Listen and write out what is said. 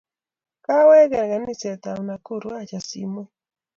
Kakawe nganaset ab Nakuru acha simoit